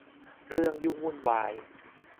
เรื่องยุ่งวุ่นวาย